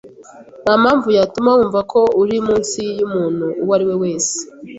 Ntampamvu yatuma wumva ko uri munsi yumuntu uwo ari we wese.